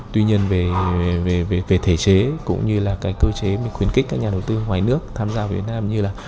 tuy nhiên về thể chế cũng như cơ chế khuyến kích các nhà đầu tư ngoài nước tham gia việt nam như là